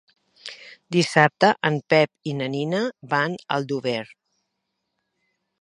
Dissabte en Pep i na Nina van a Aldover.